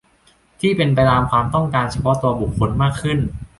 ที่เป็นไปตามความต้องการเฉพาะตัวบุคคลมากขึ้น